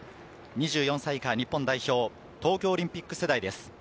２４歳以下日本代表、東京オリンピック世代です。